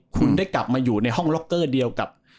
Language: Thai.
คุณได้กลับมาอยู่ในห้องล็อกเกอร์เดียวกับ